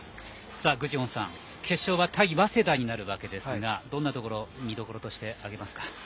具智元さん、決勝は対早稲田になるわけですがどんなところを見どころとして挙げますか？